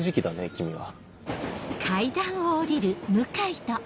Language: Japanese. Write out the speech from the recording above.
君は。